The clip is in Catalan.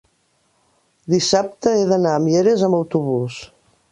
dissabte he d'anar a Mieres amb autobús.